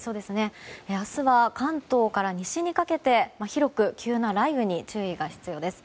明日は関東から西にかけて広く急な雷雨に注意が必要です。